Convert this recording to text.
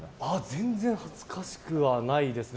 全然恥ずかしくはないですね。